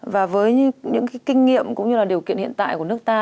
và với những cái kinh nghiệm cũng như là điều kiện hiện tại của nước ta